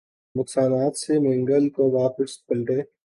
نقصانات سے منگل کو واپس پلٹے